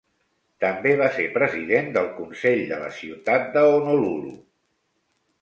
També va ser president del Consell de la Ciutat de Honolulu.